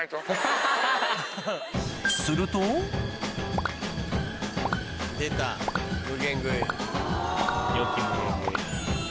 すると出た無限食い。